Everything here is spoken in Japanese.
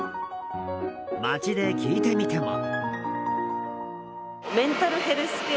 街で聞いてみても。